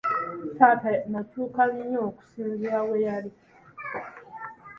Taata n'akyuka nnyo okusinziira we yali.